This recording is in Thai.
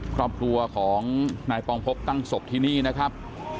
ครอบครัวของนายปองพบตั้งศพที่นี่นะครับ